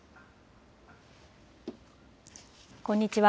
こんにちは。